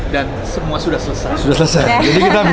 dan semua sudah selesai